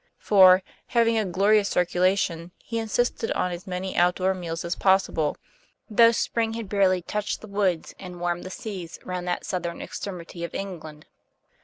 For, having a glorious circulation, he insisted on as many outdoor meals as possible, though spring had barely touched the woods and warmed the seas round that southern extremity of England.